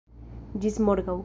Ĝis morgaŭ!